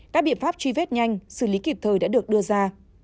các biện pháp truy vết nhanh xử lý kịp thời đã được đưa ra